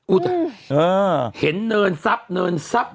เห็นเนินทรัพย์เนินทรัพย์